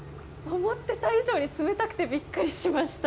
思っていた以上に冷たくてビックリしました。